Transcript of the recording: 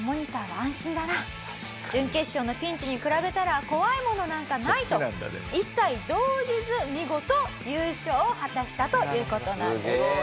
準決勝のピンチに比べたら怖いものなんかないと一切動じず見事優勝を果たしたという事なんです。